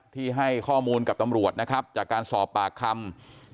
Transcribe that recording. ที่ให้ข้อมูลกับตำรวจนะครับจากการสอบปากคำ